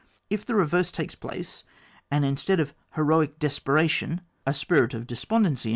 If the re verse takes place, and instead of heroic desperation a spirit of despondency en« CHAP.